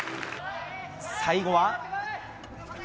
最後は。